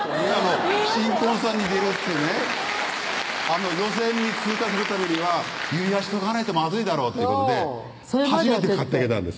新婚さんに出るってね予選に通過するた指輪しとかないとまずいだろうっていうことで初めて買ってあげたんです